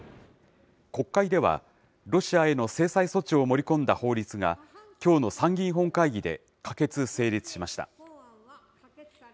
国会では、ロシアへの制裁措置を盛り込んだ法律がきょうの参議院本会議で可決・成立しました。